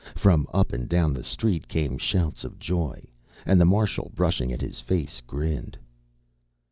From up and down the street came shouts of joy, and the Marshal, brushing at his face, grinned.